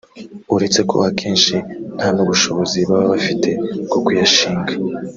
uretse ko akenshi nta n’ubushobozi baba bafite bwo kuyashinga